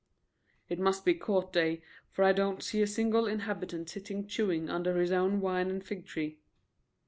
"It must be court day, for I don't see a single inhabitant sitting chewing under his own vine and fig tree."